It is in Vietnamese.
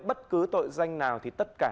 bất cứ tội danh nào thì tất cả